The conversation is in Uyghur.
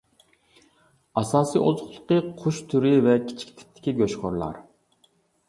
ئاساسىي ئوزۇقلۇقى قۇش تۈرى ۋە كىچىك تىپتىكى گۆشخورلار.